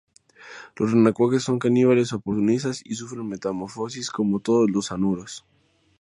Los renacuajos son caníbales oportunistas y sufren metamorfosis como todos los anuros.